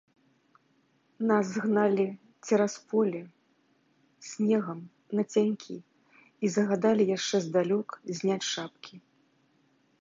Нас гналі цераз поле, снегам нацянькі і загадалі яшчэ здалёк зняць шапкі.